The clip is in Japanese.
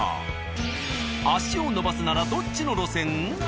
足を延ばすならどっちの路線？